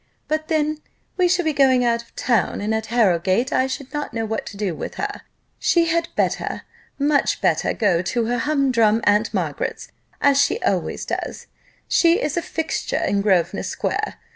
But then, we shall be going out of town, and at Harrowgate I should not know what to do with her; she had better, much better, go to her humdrum Aunt Margaret's, as she always does she is a fixture in Grosvenor square.